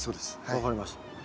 分かりました。